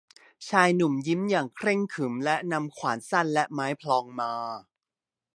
ชายหนุ่มยิ้มอย่างเคร่งขรึม และนำขวานสั้นและไม้พลองมา